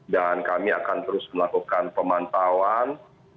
dan kami akan terus melakukan pemantauan